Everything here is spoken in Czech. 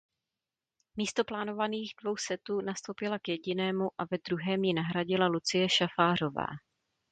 Místo plánovaných dvou setů nastoupila k jedinému a ve druhém ji nahradila Lucie Šafářová.